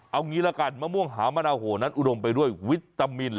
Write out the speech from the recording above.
เอางี้ละกันมะม่วงหามะนาวโหนั้นอุดมไปด้วยวิตามิน